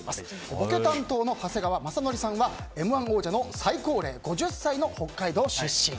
ボケ担当の長谷川雅紀さんは「Ｍ‐１」王者の最高齢５０歳の北海道出身。